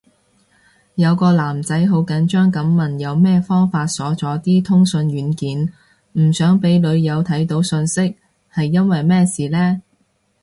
有個男仔好緊張噉問有咩方法鎖咗啲通訊軟件，唔想俾女友睇到訊息，係因為咩事呢？